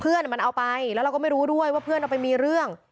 เพื่อนมันเอาไปแล้วเราก็ไม่รู้ด้วยว่าเพื่อนเอาไปมีเรื่อง